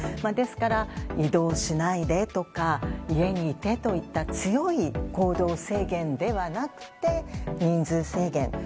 ですから、移動しないでとか家にいてといった強い行動制限ではなくて人数制限。